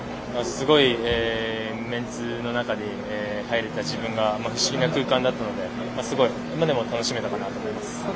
すごいメンツの中に入れた自分が不思議な空間だったのででも、楽しめたかなと思います。